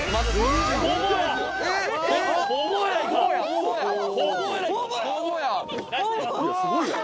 すごい！